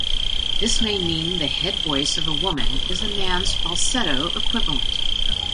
This may mean the head voice of a woman is a man's falsetto equivalent.